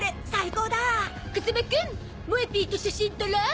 風間くんもえＰと写真撮ろう！